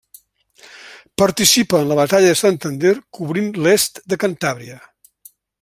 Participa en la batalla de Santander cobrint l'est de Cantàbria.